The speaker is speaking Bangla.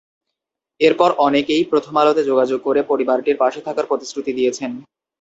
এরপর অনেকেই প্রথম আলোতে যোগাযোগ করে পরিবারটির পাশে থাকার প্রতিশ্রুতি দিয়েছেন।